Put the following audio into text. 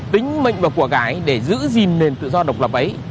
tính mệnh và của gái để giữ gìn nền tự do độc lập ấy